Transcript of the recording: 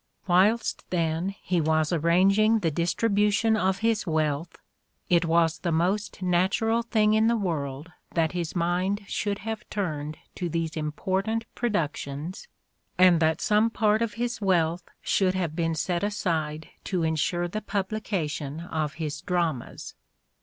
Whilst then he was arranging the distribution of his wealth, it was the most natural thing in the world that his mind should have turned to these important productions and that some part of his wealth should have been set aside to ensure the publication of his dramas.